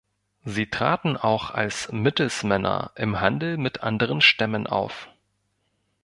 Sie traten auch als Mittelsmänner im Handel mit anderen Stämmen auf.